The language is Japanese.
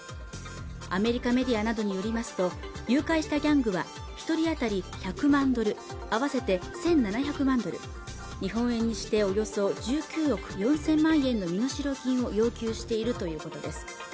アメリカメディアなどによりますと誘拐したギャングは一人当たり１００万ドル合わせて１７００万ドル日本円にしておよそ１９億４０００万円の身代金を要求しているということです